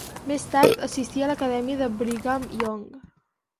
Més tard assistí a l'Acadèmia Brigham Young.